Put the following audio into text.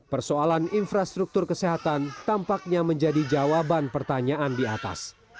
persoalan infrastruktur kesehatan tampaknya menjadi jawaban pertanyaan di atas